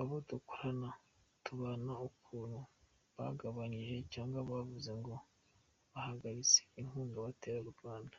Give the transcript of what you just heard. Abo dukorana, tubana, ukuntu bagabanyije cyangwa, bavuze ngo bahagaritse inkunga bateraga u Rwanda.